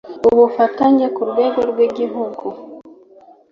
ubufatanye ku rwego rw igihugu